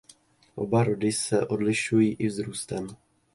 Oba rody se odlišují i vzrůstem.